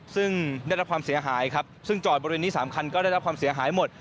ซึ่งได้รับความเสียหายครับซึ่งจอดบริเวณนี้๓คันก็ได้รับความเสียหายหมด